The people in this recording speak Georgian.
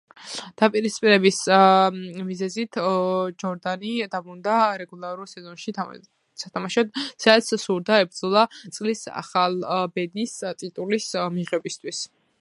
დაპირისპირების მიზეზით ჯორდანი დაბრუნდა რეგულარულ სეზონში სათამაშოდ, სადაც სურდა ებრძოლა წლის ახალბედის ტიტულის მიღებისთვის.